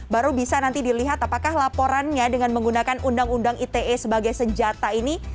baru bisa nanti dilihat apakah laporannya dengan menggunakan undang undang ite sebagai senjata ini